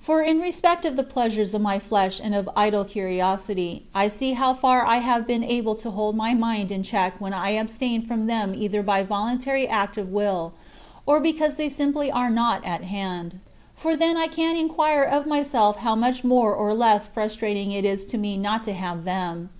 For in respect of the pleasures of my flesh and of idle curiosity, I see how far I have been able to hold my mind in check when I abstain from them either by voluntary act of the will or because they simply are not at hand; for then I can inquire of myself how much more or less frustrating it is to me not to have them.